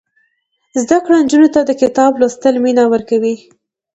زده کړه نجونو ته د کتاب لوستلو مینه ورکوي.